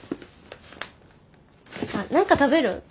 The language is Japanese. あっ何か食べる？